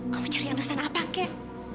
kamu cari aneh aneh apa kek